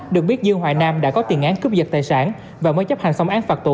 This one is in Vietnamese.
được biết dương hoài nam đã có tiền án cướp giật tài sản và mới chấp hành xong án phạt tù